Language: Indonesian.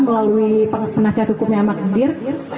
melalui penasihat hukumnya mak dir